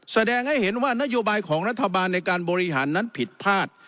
แสดงให้เห็นว่านโยบายของรัฐบาลในการบริหารนั้นผิดพลาด